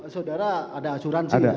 saudara ada asuransi ya